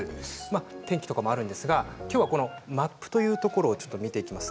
天気とかもあるんですが今日は、このマップというところを見ていきます。